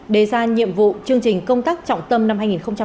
đề ra nhiệm vụ chương trình công tác trọng tâm năm hai nghìn hai mươi